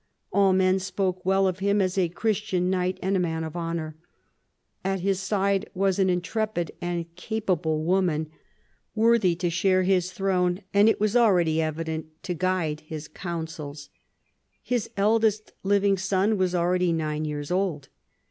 All men spoke well of him as a Christian knight and a man of honour. At his side was an intrepid and capable woman, worthy to share his throne, and, it was already evident, to guide his counsels. His eldest living son was already nine years old.